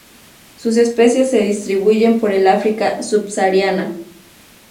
Sus especies se distribuyen por el África subsahariana.